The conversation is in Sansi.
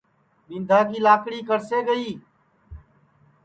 کہ ٻِندھا کی کڑسے گئی